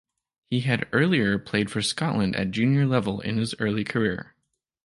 He had earlier played for Scotland at Junior level in his early career.